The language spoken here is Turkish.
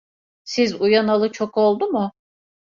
Siz uyanalı çok oldu mu?